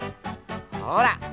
ほら！